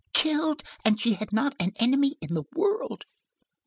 "Killed, and she had not an enemy in the world